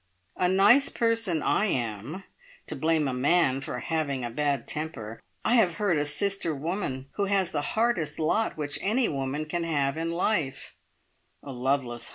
A nice person I am, to blame a man for having a bad temper! I have hurt a sister woman, who has the hardest lot which any woman can have in life a loveless home!